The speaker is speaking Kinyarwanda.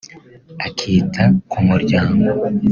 akita ku muryango